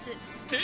え！